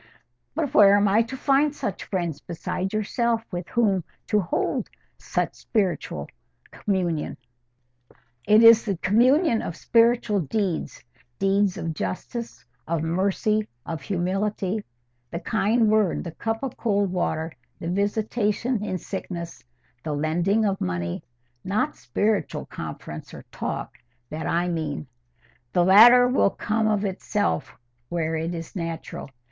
"But where am I to find such friends besides yourself with whom to hold spiritual communion?" "It is the communion of spiritual deeds, deeds of justice, of mercy, of humility—the kind word, the cup of cold water, the visitation in sickness, the lending of money—not spiritual conference or talk, that I mean: the latter will come of itself where it is natural.